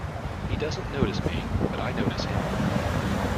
He doesn't notice me, but I notice him.